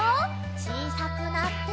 ちいさくなって。